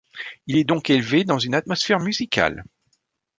Il est donc élevé dans une atmosphère musicale.